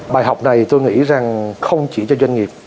bài học này tôi nghĩ rằng không chỉ cho doanh nghiệp